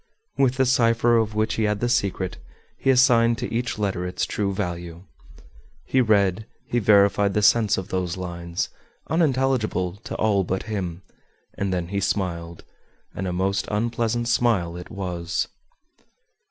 With the cipher, of which he had the secret, he assigned to each letter its true value. He read, he verified the sense of those lines, unintelligible to all but him, and then he smiled and a most unpleasant smile it was.